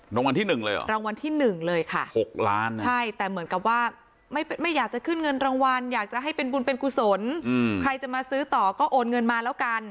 รางวัลที่๑เลยเหรอรางวัลที่๑เลยค่ะ๖ล้านนะใช่แต่เหมือนกับว่าไม่อยากจะขึ้นเงินรางวัลอยากจะให้เป็นบุญเป็นกุศลใครจะมาซื้อต่อก็โอนเงินมาแล้วกัน